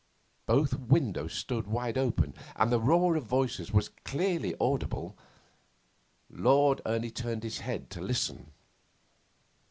Both windows stood wide open, and the roar of voices was clearly audible. Lord Ernie turned his head to listen.